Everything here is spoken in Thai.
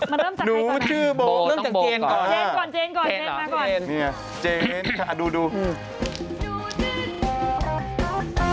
มันเริ่มจากใครก่อนนะ